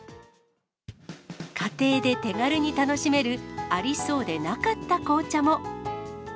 家庭で手軽に楽しめるありそうでなかった紅茶も。